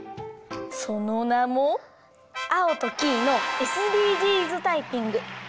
そのなも「アオとキイのＳＤＧｓタイピング」。